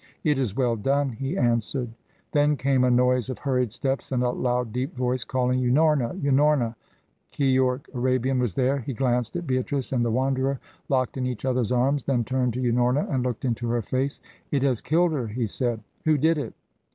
"It is well done," he answered. Then came a noise of hurried steps and a loud, deep voice, calling, "Unorna! Unorna!" Keyork Arabian was there. He glanced at Beatrice and the Wanderer, locked in each other's arms, then turned to Unorna and looked into her face. "It has killed her," he said. "Who did it?"